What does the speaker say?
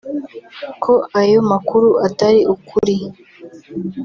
ko ayo makuru atari ukuri